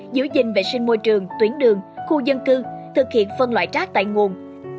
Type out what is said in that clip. giữ gìn vệ sinh môi trường tuyến đường khu dân cư thực hiện phân loại rác tại nguồn